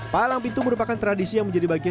palang pintu merupakan tradisi yang menjadi bagian